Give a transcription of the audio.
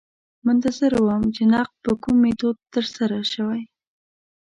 منتظر وم چې نقد په کوم میتود ترسره شوی.